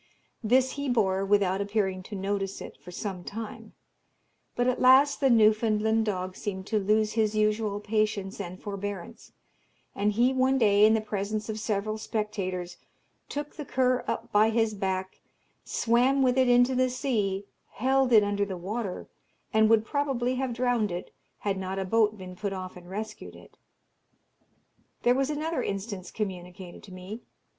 This he bore, without appearing to notice it, for some time; but at last the Newfoundland dog seemed to lose his usual patience and forbearance, and he one day, in the presence of several spectators, took the cur up by his back, swam with it into the sea, held it under the water, and would probably have drowned it, had not a boat been put off and rescued it. There was another instance communicated to me.